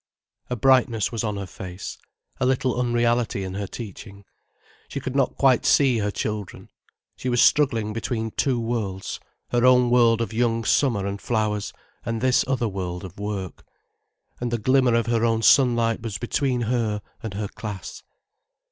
A brightness was on her face, a little unreality in her teaching. She could not quite see her children. She was struggling between two worlds, her own world of young summer and flowers, and this other world of work. And the glimmer of her own sunlight was between her and her class.